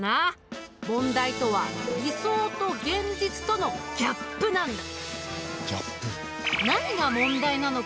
問題とは理想と現実とのギャップなんだ。